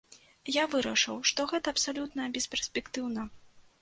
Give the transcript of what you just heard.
Я вырашыў, што гэта абсалютна бесперспектыўна.